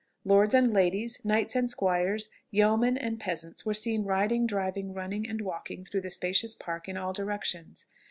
Lords and ladies, knights and squires, yeomen and peasants, were seen riding, driving, running, and walking through the spacious park in all directions.